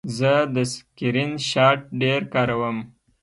زه د سکرین شاټ ډېر کاروم.